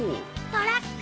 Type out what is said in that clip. トラック。